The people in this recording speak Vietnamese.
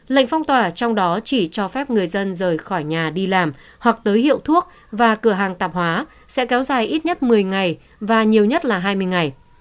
lệnh phong tỏa trong đó chỉ cho phép người dân rời khỏi nhà đi làm hoặc tới hiệu thuốc và cửa hàng tạp hóa sẽ kéo dài ít nhất một mươi ngày và nhiều nhất là hai mươi ngày